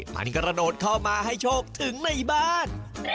มันกระโดดเข้ามาให้โชคถึงในบ้าน